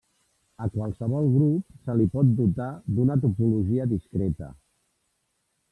A qualsevol grup se li pot dotar d'una topologia discreta.